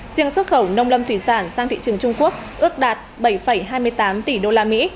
riêng xuất khẩu nông lâm thủy sản sang thị trường trung quốc ước đạt bảy hai mươi tám tỷ đô la mỹ